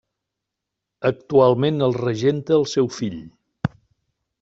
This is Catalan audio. Actualment el regenta el seu fill.